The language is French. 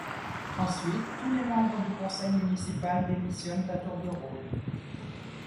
Ensuite, tous les membres du conseil municipal démissionnent à tour de rôle.